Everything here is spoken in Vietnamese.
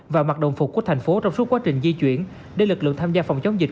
và mặc đồng phục của thành phố trong suốt quá trình di chuyển để lực lượng tham gia phòng chống dịch